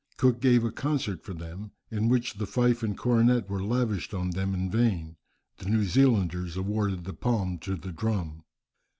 Cook gave a concert for them, in which the fife and cornet were lavished on them in vain, the New Zealanders awarded the palm to the drum!